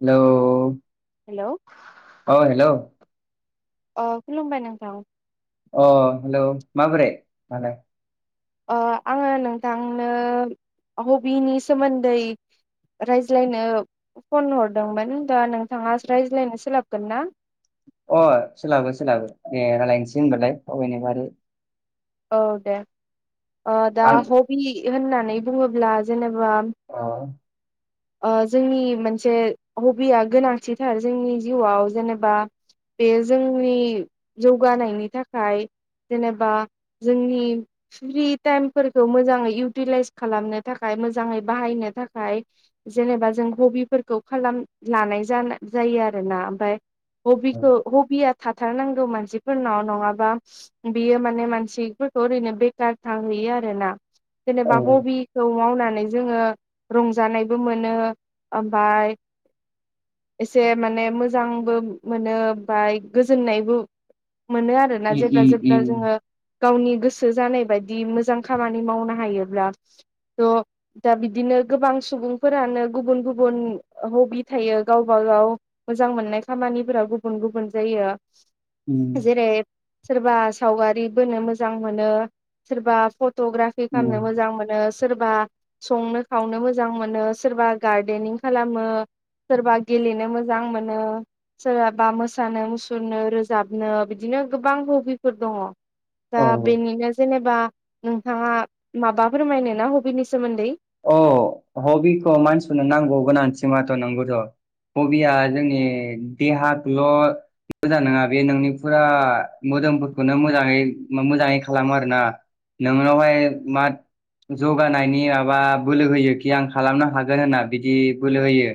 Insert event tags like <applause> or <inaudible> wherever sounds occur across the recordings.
Hello hello <inaudible> अ hello अ खुलुमबाय नोंथां। अ हेलौ माबोरै मालाय अ आङो नोंथांनो हबिनि सोमोन्दै रायज्लायनो फन हरदोंमोन दा नोंथाङा रायज्लायनो सोलाबगोन ना? अ सोलाबो सोलाबो दे रायलायनोसै होनबालाय अबनिबारै औ दे ओ दा आं हबि होननानै बुङोब्ला जेनेब बा अ ओ जोंनि मोनसे हबिया गोनांथिथार जोंनि जिउआव जेनेबा बे जोंनि जौगानायनि थाखाय जेनेबा जोंनि फ्रि टाइमफोरखौ मोजाङै इउटिलाइस खालामनो थाखाय मोजाङै बाहाय नो थाखाय जेनेबा जों हबिफोरखौ खालाम लानाय जानाय जायो आरोना। ओमफाय हबिखौ हबिया थाथारनांगौ मानसिफोरनाव नङाबा बियो माने मान सि फोरखौ ओरैनो बेखार थाहोयो आरोना। औ जेनेबा हबिखौ मावना नै जोङो रंजानायबो मोनो, ओमफाय एसे माने मोजांबो मोनो ओमफाय गोजोननायबो मोनो आरोना उम जेब्ला जेब्ला उम जोङो गावनि गोसो जानाय बायदि मोजां खामानि मावनो हायोब्ला थ' दा बिदिन नो गोबां सुबुंफोरानो गुबुन गुबुन हबि थायो गावब गाव मोजां मोननाय खामानिफोरा गुबुन गुबुन जायो। उम जेरै सोरबा सावगारि बोनो मोजां मोनो सोरबा फ ट'ग्राफि उम खामनो मोजां मोनो। सोरबा संनो खावनो मोजां मोनो, सोरबा गारदेनिं खालामो। सोरबा गेलेनो मोजां मोनो, सोरहाबा मोसानो मुसुरनो रोजाबनो बिदि नो गोबां हबिफोर दङ। दा औ बेनिनो जेनेबा नोंथाङा माबा फोरमायनो ना हबिनि सोमोन्दै? अ हबिखौ मानसिनो नांगौ गोनांथि माथ' नंगौथ' हबिया जोंनि देहाखौल' मोजां नङा बे नोंनि फुरा मोदोमफोरखौनो मोजाङै मोजाङै खालामो आरोना, नोंनावहाय मा जौगानायनि माबा बोलो होयोखि आं खालामनो हागोन होनना बिदि बोलो होयो।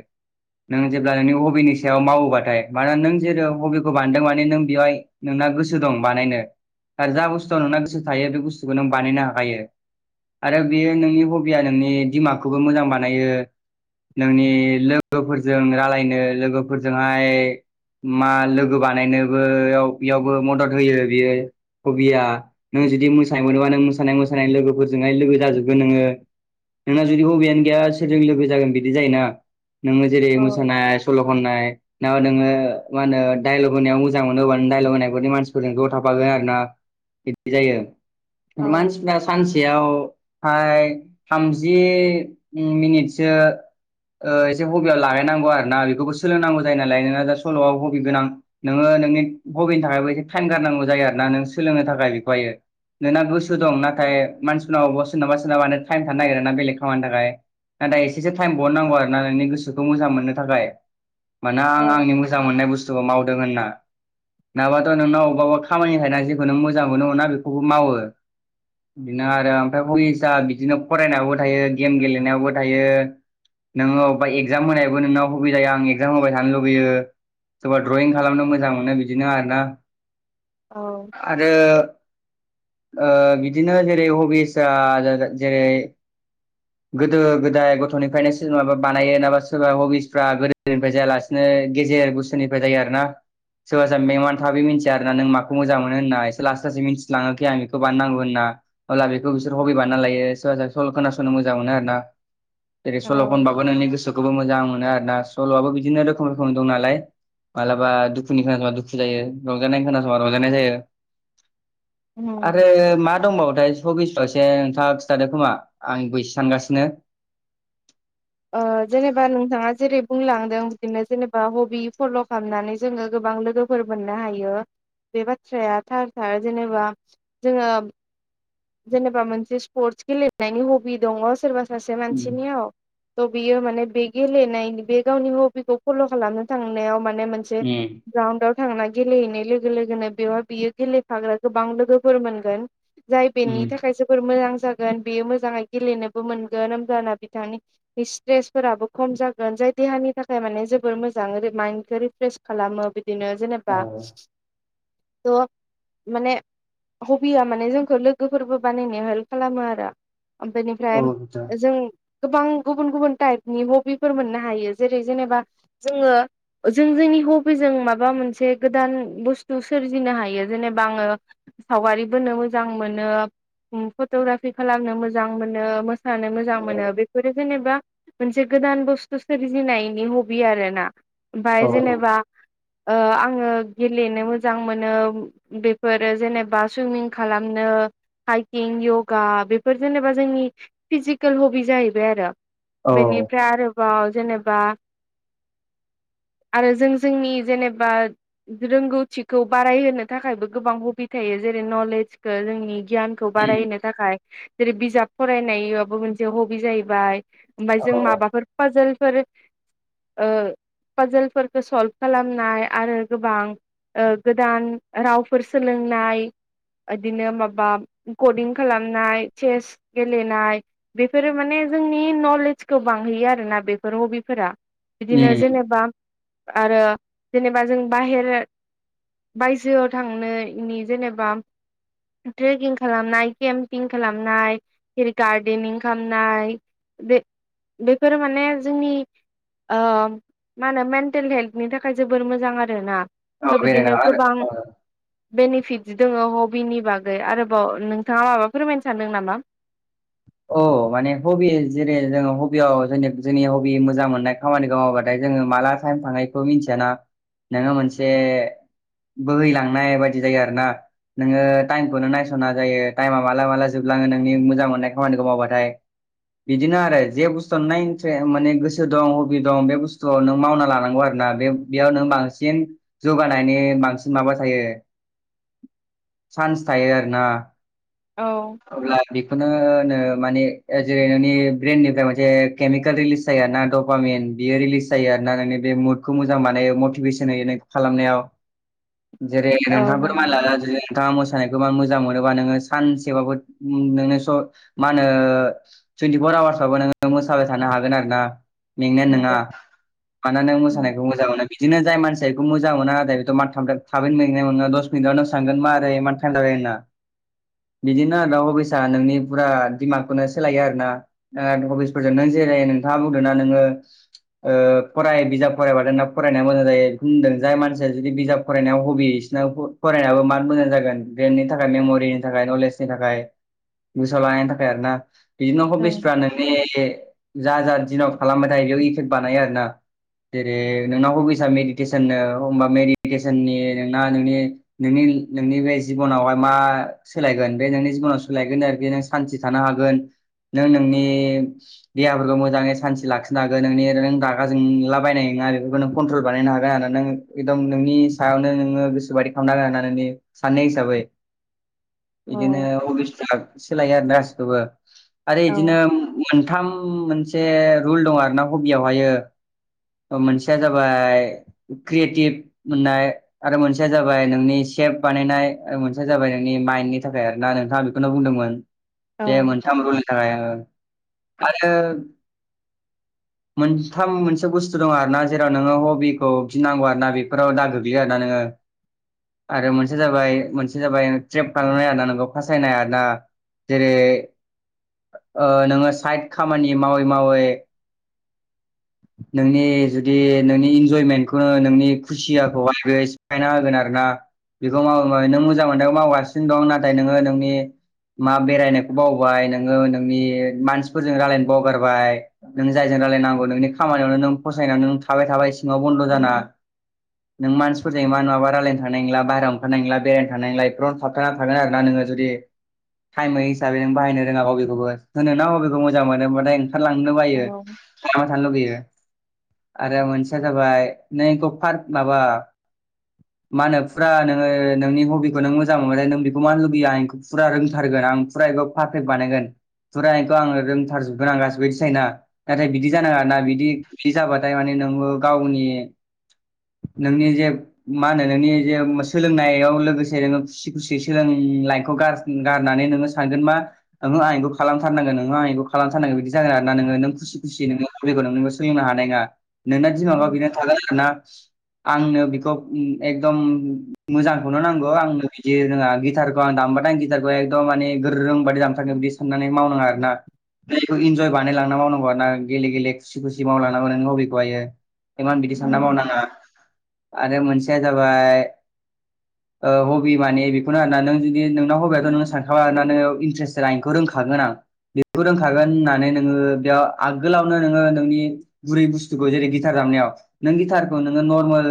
नों जेब्ला नोंनि हबिनि सायाव मावोबाथाय मानोना नों जेराव हबिखौ बान्दों माने नों बेवहाय नों ना गोसो दं बानायनो आरो जा बुस्थुआव नोंना गोसो थायो बे बुस्थुखौ नों बानायनो हाखायो। आरो बेयो नोंनि हबिया नोंनि दिमागखौबो मोजां बानायो, नोंनि लोगोफोरजों रालायनो लोगोफोरजोंहाय मा लोगो बानायनोबोयाव यावबो मदद होयो बियो हबिया नों जुदि मोसानाय मोनोबा नों मोसानाय -मोसानाय लोगोफोरजोंहाय लोगो जाजोबगोन नोङो नोंना जुदि हबियानो गैया सोरजों लोगो जागोन बिदि जायोना नोङो जेरै औ मोसानाय सल' खननाय। ना नोङो मा होनो डाइल'ग होनायाव मोजां मोनो हानो डाइल'ग होनायफोरनि मानसिफोरजों ज' थाफागोन आरो ना बिब्दि जायो औ मानसिफ्रा सानसेयाव हाय थामजि उम मिनिटसो ओ एसे हबियाव लागायनांगौ आरो ना बेखौबो सोलोंनांगौ जायो नालाय नोंङो दा सल'आव हबि गोनां नोङो। ओनोंनि हबिनि थाखायबो एसे टाइम गारनांगौ जायो आरोना नों सोलोंनो थाखाय बेखौहायो नोंना गोसो दं नाथाय मानसिफोरनाव अबावबा सोरनाबा -सोरनाबानो टाइम थानो नागिरा ना बेलेग खामानि थाखाय नाथाय एसेसो टाइम बहरनांगौ आरो नोंनि गोसोखौ मोजां मोननो थाखाय मोना आं आंनि औ मोजां मोननाय बुस्थुखौ मावदों होनना नङाबाथ' नोंनाव अबेबाबेबा खामानि थाखायना जेखौ नों मोजां मोनो मोना बेखौबो मावो बिदिनो आरो ओमफ्राय हबिसआ बिदिनो फरायनायावबो थायो गेम गेलेनायावबो थायो। नोङो अबबा एगजाम होनायबो नोंनाव हबि जायो आं एगजाम होबाय थानो लुुबैयो। सोरबा द्रयिं खालामनो मोजां मोनो बिदिनो आरो ना आरो ओ बिदिनो जेरै हबिस आ जे -जेरै गोदो -गोदाय गथ'निफ्रायनो सोर माबा बानायो नाबा सोरबा हबिसफ्रा गोदोनिफ्राय जायालासिनो नो गेजेर गुसुनिफ्राय जायो आरोना सोरबा सोरब मेंमान थाबै मिथिया आरोना नों मा मोजां मोनो होनना एसे लासै लासै मिथिलाङाखै आं बेखौ बाननांगौ होनना अब्ला बेखौ बिसोर हबि बानायनानै लायो सोरबा -सोरबा सल' खोनासंनो मोजां मोनो आरोना जेरै सल' औ खनबाबो नोंनि गोसोखौबो मोजां ना आरोना सल'आबो बिदिनो रोखोम -रोखोम दं नालाय। मालाबा दुखुनि खोनासंबा दुखु जायो रंजानाय खोनासंबा रंजानाय जायो। उम आरो मा दंबावोथाय सब्बिसबासे नोंथांआ। जादो खोमा आं बैसो सानगासिनो ओ जेनेबा नोंथाङा जेरै बुंलांदों बिदिनो जेनेबा हबि फल' खालामनानै जोङो गोबां लोगोफोर मोननो हायो। बे बाथ्राया थार -थार जेनेबा जोङो। जेनेबा मोनसे स्पर्टस गेलेनायनि हबि दङ सोरबा सासे उम मानसिनियाव। थ' बियो माने बे गेलेनायनि बे गावनि हबिखौ फल' खालामनो थांनायाव मा। बे मोनसे उम ग्राउन्दार थांना गेलेहैनाय लोगो -लोगोनो बेव बियो गेलेफाग्रा गोबां लोगोफोर मोनगोन जाय बेनि उम थाखाय जोबोर मोजां जागोन बेयो मोजाड़ै गेलेनोबो मोनगोन ओमबाना बिथांनि स्ट्रेस फोराबो खम जागोन जाय देहानि थाखाय माने जोबोर मोजां माइन्दखो रिफ्रेस खालामो बिदिनो जेनेबा औ ओ माने हबिया माने जोंखौ लोगो गोफोरबो बानायनायाव हेल्प खालामो आरो ओमफाय -निफ्राय औ बिदा जों गोबां गुबुन -गुबुन टाइपनि हबि मोननो हायो जेरै जेनेबा जोङो जों जोंनि हबि जों माबा मोनसे गोदान बुस्थु सोरजिनो हायो जेनेबा आङो सावगारि बोनो मोजां मोनो फट'ग्राफि खालामनो मोजां मोनो मोसानो मोजां मोनो बेफोर जेनेबा मोनसे गोदान बुस्थु सोरजिनायनि हबि आरो ना औ ओमफ्राय जेनेबा आङो गेलेनो मोजां मोनो बेफोरो जेनेबा सुइमिं खालामनो हाइकिं यगा बेफोर जेनेबा जोंनि फिजिकेल हबि जाहैबाय आरो बेनिफ्राय आरोबाव जेनेबा आरो जों जोंनि जेनेबा रोंगौथिखौ बारायहोनो थाखायबो गोबां हबि थायो जेरै नलेजखौ जोंनि गियानखौ उम बारायहो थाखाय जेरै बिजाब फरायनायाबो मोनसे हबि जाहैबाय ओमफफ्राय औ जों माबाफोर फाजोलफोर ओ पजलफोरखौ सल्भ खालामनाय आरो गोबां ओ गोदान रावफोर सोलोंनाय बिदिनो माबा रेकर्डथिं खालामनाय चेस गेलेनाय बेफोरो माने जोंनि नलेजखौबो बांहैयो आरोना बेफोर हबिफोरा बिदिनो उम जेनेबा आरो जेनेबा जों बाहेर बायजोआव थांनायनि जेनेबा ट्रेकिं खालामनाय केम्पिं खालामनाय फेर गार्देनिं खालामनाय बे बेफोरो माने जोंनि ओ मा होनो मेन्टेल हेल्थनि थाखाय जोबोर मोजां आरो ना औ थ' बेरायना बिदिनो गोबां आरो बेनिफिट दङो हबिनि बागै आरोबाव नोंथाङा माबा फोरमायनो सानदों नामा औ माने हबि जेरै जोङो हबियाव जों जोंनि हबि मोजां मोननाय खामानिखौ मावबाथायों जोङो माला टाइम थांनायखौ मिथियाना नोङो मोनसे बोहैलांनाय बायदि जायो आरो ना नोङो टाइमखौनो नायस'ना जायो टाइमा माला माला जोबलाङो नोंनि मोजां मोननायखौ खामानिखौ मावबाथाय बिदिनो आरो जे बुस्थुआ नाय माने गोसो दं हबि दं बे बुस्थुखौ नों मावना लानांगौ आरोख बे बेयाव नों बांसिन जौगानायनि बांसिन माबा थायो <inaudible> सान्स थायो आरो ना औ अब्ला बेखौनो माने जेरै नोंनि ब्रइेननिफ्राय मोनसे केमिकेल रिलिस जायााना टामिन बियो रिलिज जायो आरोना नोंनि बे मुदखौ मोजां मानायो मटिभेसन होयो खालामनायाव <inaudible> जेरै औ नोंथांफोर नंगौ माला नोंथाङा खौ मोजां मोनोबा नोङो सानसेबाबो नोंनो स मा होनो टुउइन्टिफर आवार्स बाबो नोङो मोसाबाय थानो हागोन आरो ना मेंनाया नोङा नंगौ मानोना मोसानायखौ मोजां मोनो बिदिनो जाय मानसि <unintelligible> खौ मोजां मोना आदा बेथ' मानथाम <unintelligible> थाबैनो मेंनाय मोनोना दस मिनिटआवनो सानगोन मा आरै एमान थाइम जाबाय होनना बिदिनो आरो दा हबिसा नोंनि फुरा दिमागखौनो सोलायो आरो ना ओ हबिसफोरजों नों जेरै नोंथाङा बुंदों ना नोङो ओ फराय बिजाब फरायबाथाय नोंना फरायनाया मोजां जायो बुंदों जाय मानसिया जुदि बिजाब फरायनायाव हबि बिसिनाव फरायनाबो मार मोजां जागोन ब्रेननि थाखाय मेम'रिनि थाखाय नलेजनि थाखाय <inaudible> गोसोआव लानायनि थाखाय आरो ना बिदिनो औ हबिसफ्रा नोंनि जा-जा दिनाव खालामबाय थायो इयाव इफेक्ट बानायो आरो ना जेरै नोंना हबिसा मेडिटेसोननो हमबा मेडिटेसननि नोंना नोंनि-नोंनि <unintelligible> नोंनि बे जिबनावहाय मा सोलायगोन बे नोंनि जिबनाव सोलायगोन आरो बिदिनो सान्थि थानो हागोन नों नोंनि देहाफोरखौ मोजाङै सान्थि लाखिनो हागोन नोंनि नों रागा जोंलाबायनाय ना बेफोरखौ नों कन्ट्रल बानायनो हागोन आरो नों एकदम नोंनि सायावनो नोङो गोसो बादि खामनो हागोन आरना नोंनि साननाय हिसाबै <inaudible> बिदिनो हबिस फ्रा सोलायो आरो <unintelligible> खोबो आरो औ इदिनो मोनथाम मोनसे रुल दं आरो ना हबियावहायो ओमोनसेया जाबाय क्रियेटिभ मोननाय आरो मोनसेया जाबाय नोंनि सेप बानायनाय मोनसेया जाबाय नोंनि माइन्दनि थाखाय आरो ना नोंथाङा बेखौनो बुंदोंमोन दे मोनथाम रुलनि थाखाय ओ आरो <inaudible> मोनथाम मोनसे बुस्थु दं आरोना जेराव नोङो हबिखौ गिनांगौ आरोना बेफोराव दा गोग्लैयो आरोना नोङो आरो मोनसे जाबाय मोनसे जाबाय ट्रेप खालामनाय आदा नों खासायनाय आदा जेरै नोंङो साइड खामानि मावै मावै <unintelligible> नोंनि जुदि नोंनि इन्जयमेन्टखौ नोंनि खुसियाखौहाय सिफायना होगोन आरो ना बेखौ माव म नों मोजां मोन्नायखौ मावगासिनो दं नाथाय नोंङो नोंनि मा बेरायनायखौ बावबाय नोंङो नोंनि मानसिफोरजों रायलायनो बावगारबाय नों जायजों राय जे नागौ नोंनि खामानियावनो नों फसायनानै नों थाबाय थाबाय सिङाव बन्द' जाना नों मानसिफोरजोंयो इमान माबा रायलायनो थांनाय नंला बाहेराव ओंखारनाय नंला बेरायनो थांनाय नंला इफोरावनो थाबथाना थागोन आरोना नोंङो दा जुदि टाइमै हिसाबै बाहायनो रोङा बबेखौबो होनोना बबेखौ मोजां मोनोबाथाय ओंखारलांनो बायो औ थाबा थानो लुुबैयो आरो मोनसेया जाबाय नै ग पार्क माबा मा होनो फुरा नोंङो नोंनि हबिखौ नों मोजां मोनो नों बेखौ मानो लुबैया आंखौ फुरा रों बुथारगोन आं फुरा एखौ पारफेक्ट बानायगोन फुरा एखौ आङो रोंथारजोबगोन आं गासिबो इदि सायोना नाथाय बिदि जानाङाना बिदि बिदि जाबाथाय माने नोंङो गावनि नोंनि जे मा होनो नोंनि जे सोलोंनायाव लोगोसे नोङो खुसि खुसियै सोलों लाइख' <unintelligible> गारनानै नोङो सानगोन मा ओंहो आं इखौ खालामथारनांगोन ओंहो आं इखौ खालामथारनांगोन बिदि जागोन आर ना नोङो नों खुसिखौ खौ सोलोंनो हानाय नङा नोंना दिमागा बेनो थागोन आरोना आंनो बेखौ एकदम मोजांखौनो नांगौ आंनो बिदि रोंङा गिटारखौ आं दामबाथाय आं गि गितारखौ एकदम माने गोरों बायदि जामथारो बिदि साननानै मावनाङा आरो ना बेखौ इन्जय बानायलांना मावनांगौ आरो ना गेले गेले खुसि खुसि मावलांना मावनांगौ बेेखौहायो इमान बिदि सानना मावनाङा आरो मोनसेया जाबाय हबि माने बेखौनो आरोना नों जुदि नोंनाव हबि गोन नोंङो सानखा आरोना नोंङो इन्टारेस्ट आं इखौ रोंखागोन आं बेखौ रोंखागोन होननानै नोंङो बेयाव आगोलावनो नोंङो नोंनि बुरै बुस्थुखौ जेरै गिटार दाम नों गिटारखौ नोंङो नर्मेल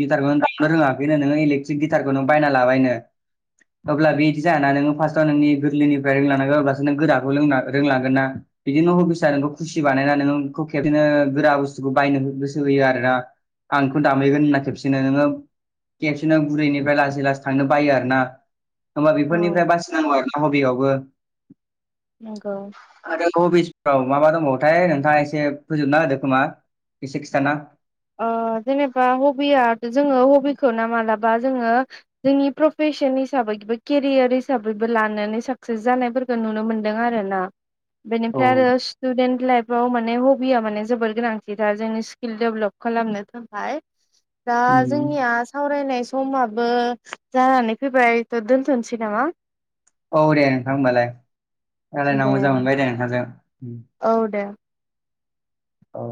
गिटारखौ दनो रोङाखैनो नोङो इलेक्ट्रिक गिटारखौ नोङो बायना लाबाय <unintelligible> अब्ला बि जायाना नोङो फ्टआव नोंनि गोरलैनिफ्राय रोंलांनांगोन अब्लासो नों गोराखौ रोंलांगोन ना बिदिनो अफिसा खुसि बानायनानै नों खेबसेनो गोरा बुस्थुखौ बायनो गोसो होयो आरो ना आंखौ दामहैगोन होनना खेबसेनो नोंङो खेबसेनो बुरैनिफ्राय लासै लासै थांनो बायो आरो ना फोरनिफ्राय औ बासिनांगौ आरो ना हबियावबो नंगौ आरो अ बिस औ माबा दंबावोथाय नोंथाङा एसे फोजोबना होदो खोमा एसे खिथाना ओ जेनेबा हबिया जोंङो हबिखौ ना मालाबा जोंङो जोंनि प्रफेस सन हिसाबै केरियार हिसाबैबो लानानै साकसेस जानायफोरखौ नुनो मोनदों आरो ना औ बेनिफ्राय आरो स्टुडेन्ट लाइफआव माने हबिया माने जोबोर गोनांथिथार जोंनि स्किल डेभलप खालामनो थाखाय दा उम जोंनिया सावरायनाय समाब बो जानानै फैबाय थ दोनथनोसै नामा। औ दे नोंथां होनबालाय रायलायना दे मोजां मोनबाय दे नोंथांजों। औ दे। औ।